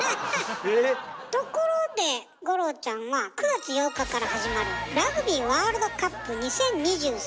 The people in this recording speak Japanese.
ところで五郎ちゃんは９月８日から始まるラグビーワールドカップ２０２３